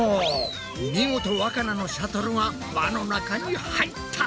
見事わかなのシャトルが輪の中に入った！